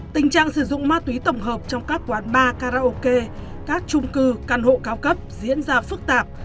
tình trạng sử dụng ma túy tổng hợp trong các quán bar karaoke các trung cư căn hộ cao cấp diễn ra phức tạp